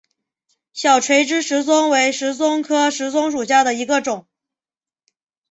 小垂枝石松为石松科石松属下的一个种。